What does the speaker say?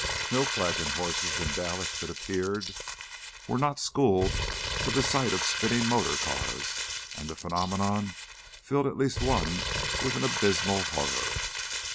Milk wagon horses in Dallas, it appeared, were not schooled to the sight of spinning motor cars, and the phenomenon filled at least one with abysmal horror.